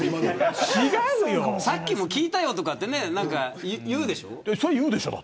さっきも聞いたよとか言うでしょ。